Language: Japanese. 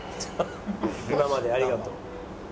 「今までありがとう」。